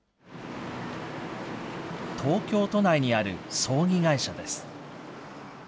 東京都内にある葬儀会社です。